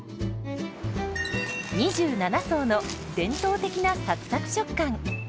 ２７層の伝統的なサクサク食感。